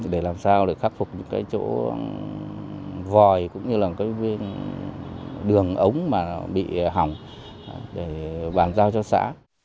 để làm sao để khắc phục những cái chỗ vòi cũng như là cái đường ống mà bị hỏng để bàn giao cho xã